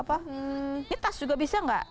ini tas juga bisa nggak